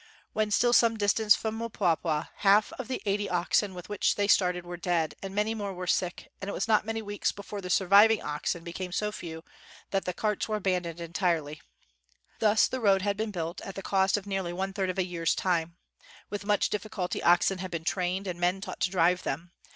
When still some distance from Mpwapwa, half of the eighty oxen with which they started were dead, and many more were sick, and it was not many weeks 67 WHITE MAN OF WORK before the surviving oxen became so few that the carts were abandoned entirely. Thus the road had been built at the cost of nearly one third of a year's time. With much difficulty oxen had been trained and men taught to drive them.